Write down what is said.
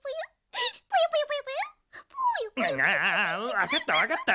わかったわかった！